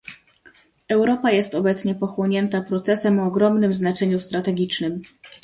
Europa jest obecnie pochłonięta procesem o ogromnym znaczeniu strategicznym